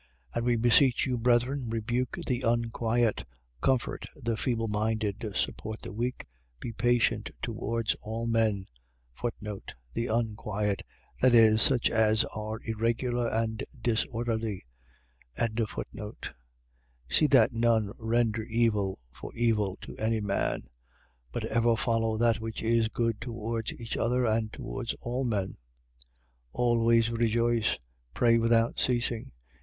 5:14. And we beseech you, brethren, rebuke the unquiet: comfort the feeble minded: support the weak: be patient towards all men. The unquiet. . .That is, such as are irregular and disorderly. 5:15. See that none render evil for evil to any man: but ever follow that which is good towards each other and towards all men. 5:16. Always rejoice. 5:17. Pray without ceasing.